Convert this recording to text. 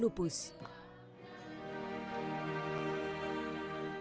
lupus di lumpur